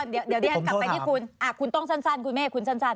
เดี๋ยวดิฉันกลับไปที่คุณคุณต้องสั้นคุณเมฆคุณสั้น